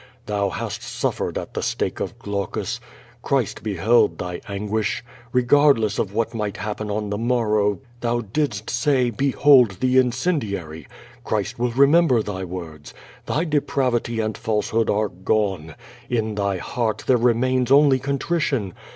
Thou hast suffered at the stake of Glaucus. Christ beheld thy an guish. Regard li»s8 of what might happen on the morrow thou didst say, ^Behokl the incendiary!' Christ will remember thy words. Thy depravity and falsehood are gone. In thy heart there renjains only contrition.